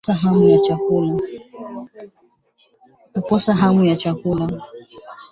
Kukosa hamu ya chakula